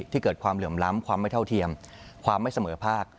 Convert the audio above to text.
เกิดความเหลื่อมล้ำความไม่เท่าเทียมความไม่เสมอภาค